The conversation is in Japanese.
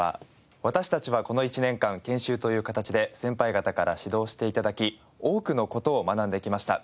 私たちはこの１年間研修という形で先輩方から指導して頂き多くの事を学んできました。